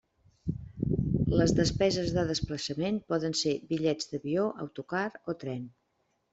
Les despeses de desplaçaments poden ser bitllets d'avió, autocar o tren.